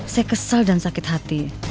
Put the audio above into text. saya kesal dan sakit hati